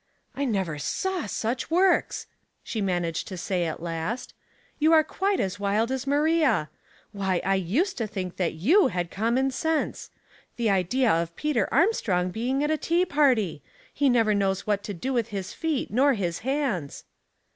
*' I never saw such works !" she managed to say at last. ''You are quite as wild as Maria. Why, I used to think that you had common sense. The idea of Peter Armstrong being at a tea party ! He never knows what to do with his feet nor his hands."